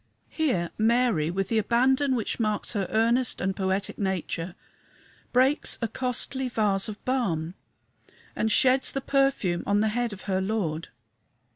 Here Mary, with the abandon which marks her earnest and poetic nature, breaks a costly vase of balm and sheds the perfume on the head of her Lord.